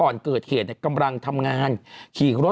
นี่ไง